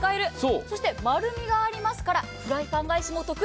そして丸みがありますからフライパン返しも得意。